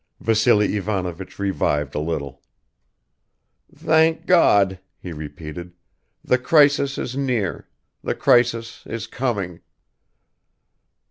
Vassily Ivanovich revived a little. "Thank God!" he repeated, "the crisis is near ... the crisis is coming."